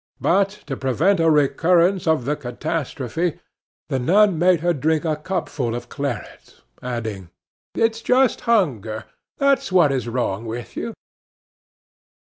But, to prevent a recurrence of the catastrophe, the nun made her drink a cupful of claret, adding: "It's just hunger that's what is wrong with you."